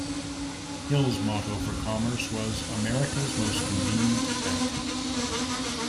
Hill's motto for Commerce was "America's most convenient bank".